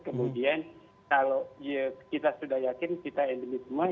kemudian kalau kita sudah yakin kita endemi semua